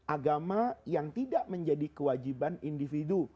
agama yang tidak menjadi kewajiban individu